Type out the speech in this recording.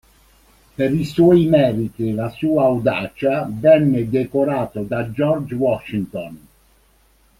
Per i suoi meriti e per la sua audacia venne decorato da George Washington.